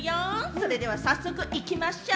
それでは早速行きましょう！